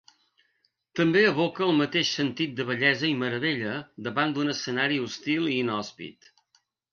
També evoca el mateix sentit de bellesa i meravella davant d'un escenari hostil i inhòspit.